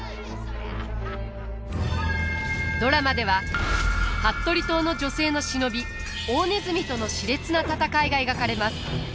ドラマでは服部党の女性の忍び大鼠とのしれつな戦いが描かれます。